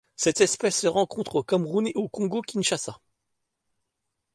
Cette espèce se rencontre au Cameroun et en Congo-Kinshasa.